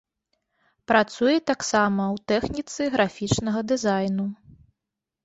Працуе таксама ў тэхніцы графічнага дызайну.